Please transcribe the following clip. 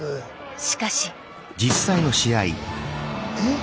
しかし。えっ？